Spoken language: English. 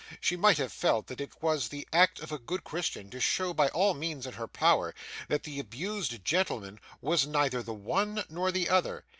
She might have felt that it was the act of a good Christian to show by all means in her power, that the abused gentleman was neither the one nor the other.